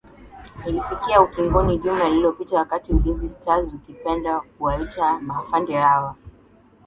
ilifikia ukiongoni juma lilopita wakati ulinzi stars ukipenda kuwaita maafande hawa